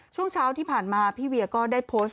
ช่วงเช้าที่ผ่านมาพี่เวียก็ได้โพสต์